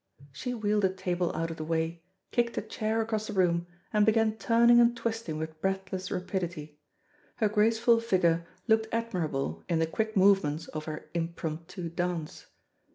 She wheeled a table out of the way, kicked a chair across the room, and began turning and twisting with breathless rapidity. Her graceful figure looked admirable in the quick movements of her impromptu dance.